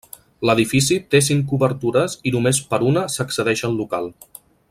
L'edifici té cinc obertures i només per una s'accedeix al local.